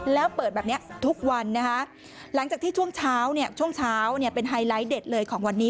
แล้วเปิดแบบนี้ทุกวันนะคะหลังจากที่ช่วงเช้าเนี่ยช่วงเช้าเป็นไฮไลท์เด็ดเลยของวันนี้